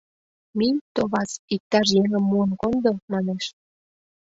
— Мий, товас, иктаж еҥым муын кондо! — манеш.